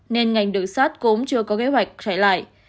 nên ngành đợt sát cũng chưa có kế hoạch trở lại